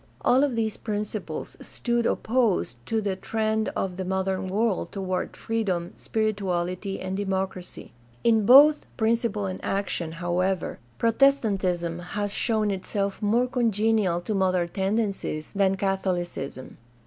All of these principles stood opposed to the trend of the modern world toward freedom, spirituality, and democracy. In both principle and action, however, Protestantism has shown itself more congenial to modern tendencies than Catholicism.